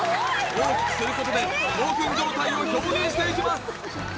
大きくすることで興奮状態を表現していきます